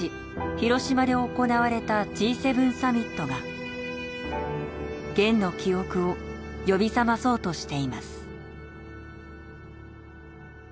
広島で行われたＧ７サミットが『ゲン』の記憶を呼び覚まそうとしています。